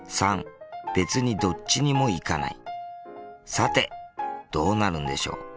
さてどうなるんでしょう？